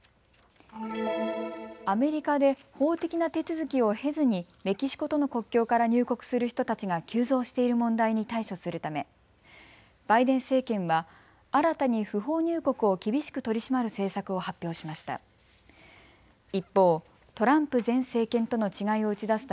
アメリカで法的な手続きを経ずにメキシコとの国境から入国する人たちが急増している問題に対処するためバイデン政権は新たに不法入国を厳しく取り締まる政策を発表しました。